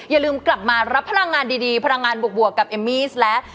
อย่าลืมกลับมารับพลังงานดีพลังงานบวกกับเอมมี่และ